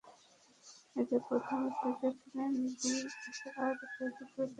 এতে প্রধান অতিথি ছিলেন বিএসআরএম গ্রুপের কর্মকর্তা আলী মাহবুব মোহাম্মদ হোসেন।